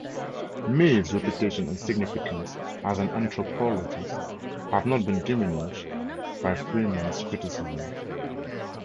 Mead's reputation and significance as an anthropologist have not been diminished by Freeman's criticisms.